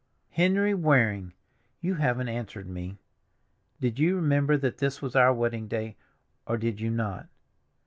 "Henry Waring, you haven't answered me. Did you remember that this was our wedding day, or did you not?